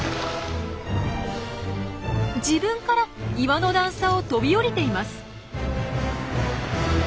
自分から岩の段差を飛び降りています。